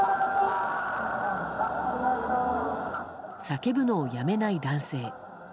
叫ぶのをやめない男性。